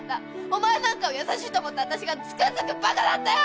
お前なんかを優しいと思った私がつくづく馬鹿だったよ！